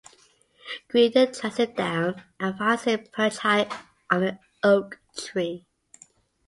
Gwydion tracks him down and finds him perched high on an oak tree.